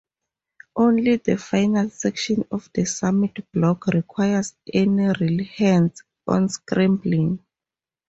Only the final section of the summit block requires any real hands on scrambling.